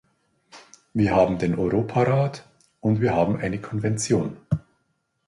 Wir haben den Europarat, und wir haben eine Konvention.